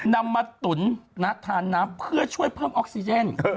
นำมาตุ๋นทานน้ำเพื่อช่วยเพิ่มออกซิเจน